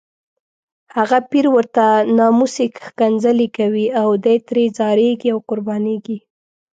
هغه پیر ورته ناموسي ښکنځلې کوي او دی ترې ځاریږي او قربانیږي.